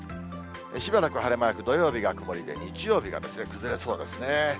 しばらく晴れマーク、土曜日が曇りで、日曜日が崩れそうですね。